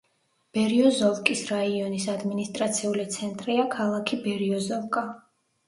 ბერიოზოვკის რაიონის ადმინისტრაციული ცენტრია ქალაქი ბერიოზოვკა.